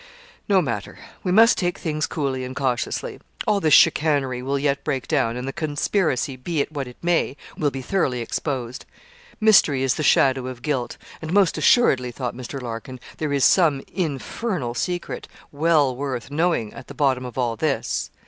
No matter! We must take things coolly and cautiously. All this chicanery will yet break down, and the conspiracy, be it what it may, will be thoroughly exposed. Mystery is the shadow of guilt; and, most assuredly, thought Mr. Larkin, there is some infernal secret, well worth knowing, at the bottom of all this.